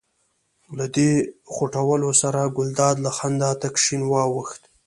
له دې خوټولو سره ګلداد له خندا تک شین واوښت.